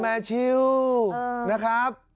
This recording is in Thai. อ๋อแม่ชิลนะครับ